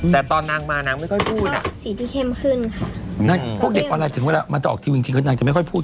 แต่ตอนนางมานางไม่ค่อยพูดพวกเด็กออนไลน์ถึงเวลาจะออกทีวินจริงเพราะนางจะไม่ค่อยพูด